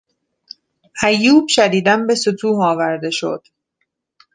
ایوب شدیدا به ستوه آورده شد.